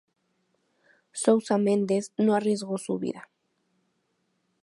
Sousa Mendes no arriesgó su vida.